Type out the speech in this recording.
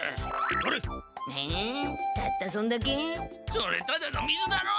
それただの水だろ？